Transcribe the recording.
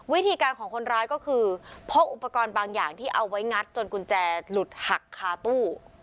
วิธีการของคนร้ายก็คือพกอุปกรณ์บางอย่างที่เอาไว้งัดจนกุญแจหลุดหักคาตู้